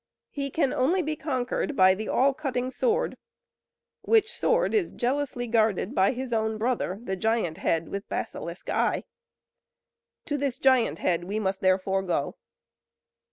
He can only be conquered by the All Cutting Sword, which sword is jealously guarded by his own brother, the Giant Head, with basilisk eye. To this Giant Head we must therefore go."